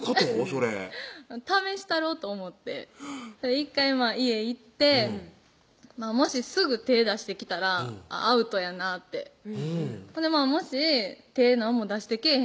それ試したろと思って１回家行ってもしすぐ手出してきたらアウトやなってほんでもし手何も出してけぇ